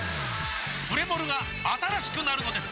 プレモルが新しくなるのです！